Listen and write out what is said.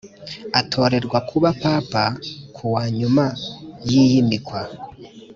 atorerwa kuba papa kuwa nyuma yiyimikwa